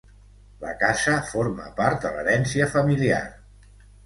La casa forma part de l'herència familiar.